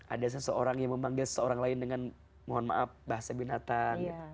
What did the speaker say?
ada seseorang yang memanggil seseorang lain dengan mohon maaf bahasa binatang